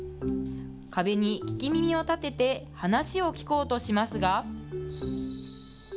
壁に聞き耳を立てて、話を聞こうとしますが。